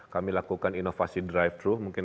kami lakukan inovasi drive thru mungkin